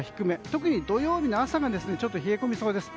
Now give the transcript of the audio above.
特に土曜日の朝がちょっと冷え込みそうです。